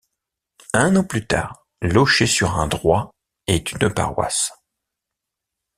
Un an plus tard, Loché-sur-Indrois est une paroisse.